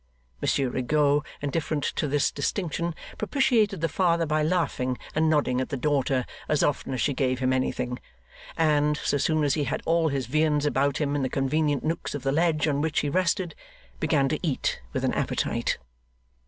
Monsieur Rigaud, indifferent to this distinction, propitiated the father by laughing and nodding at the daughter as often as she gave him anything; and, so soon as he had all his viands about him in convenient nooks of the ledge on which he rested, began to eat with an appetite.